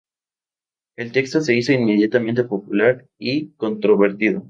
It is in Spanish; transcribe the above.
El texto se hizo inmediatamente popular y controvertido.